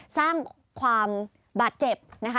สร้างความบาดเจ็บนะคะ